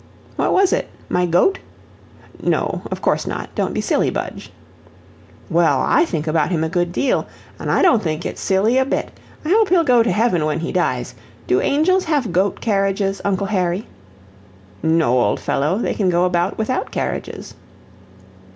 "What was it my goat?" "No of course not. Don't be silly, Budge." "Well, I think about him a good deal, an' I don't think it's silly a bit. I hope he'll go to heaven when he dies. Do angels have goat carriages, Uncle Harry?" "No, old fellow they can go about without carriages."